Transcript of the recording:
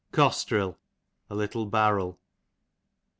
Costril, a little barrel.